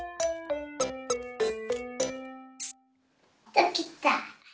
できた。